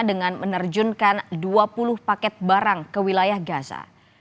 dengan menerjunkan dua puluh paket barang ke wilayah gaza